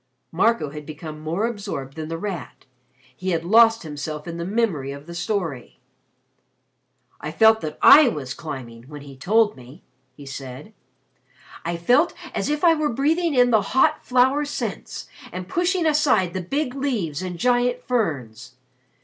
Marco had become more absorbed than The Rat. He had lost himself in the memory of the story. "I felt that I was climbing, when he told me," he said. "I felt as if I were breathing in the hot flower scents and pushing aside the big leaves and giant ferns.